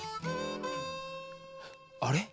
あれ？